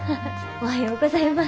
おはようございます。